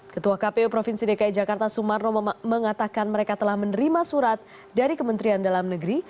ketua kpu provinsi dki jakarta sumarno mengatakan mereka telah menerima surat dari kementerian dalam negeri